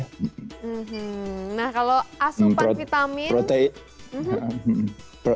nah kalau asupan vitamin